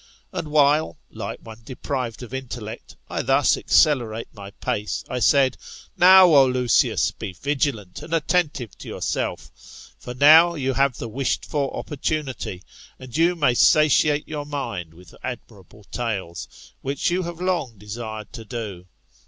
And while, like one deprived of intellect, I thus accelerate ray pace, I said, Now, O Lucius, be vigilant and attentive to yourself. For now you have the wisbed for opportunity [of learning magic], and you may satiate your mind with admiraole tales, which you have long desired to do.